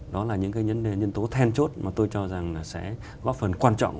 đó là những cái nhân tố then chốt mà tôi cho rằng là sẽ góp phần quan trọng